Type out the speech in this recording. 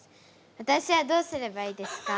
わたしはどうすればいいですか？